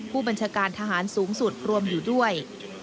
ผู้บัญชาการทหารสูงสุดรวมอยู่ด้วย